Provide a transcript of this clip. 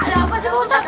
ada apa sih pak ustadz